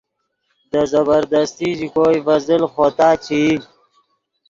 دے زبردستی ژے کوئے ڤے زل خوتا چے ای